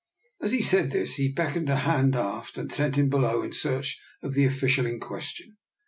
As he said this he beckoned a hand aft and sent him below in search of the official in question.